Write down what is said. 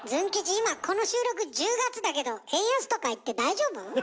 今この収録１０月だけど円安とか言って大丈夫？